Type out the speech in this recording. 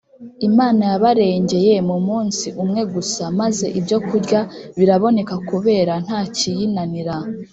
Imana yabarengeye mu munsi umwe gusa maze ibyo kurya biraboneka kubera ko nta kiyinanira